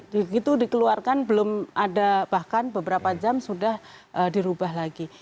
begitu dikeluarkan belum ada bahkan beberapa jam sudah dirubah lagi